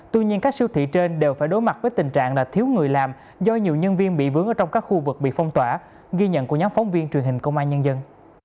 tuy nhiên các siêu thị trên đều phải đối mặt với tình trạng là thiếu người làm do nhiều nhân viên bị vướng ở trong các khu vực bị phong tỏa ghi nhận của nhóm phóng viên truyền hình công an nhân dân